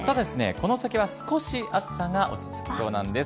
この先は少し暑さが落ち着きそうなんです。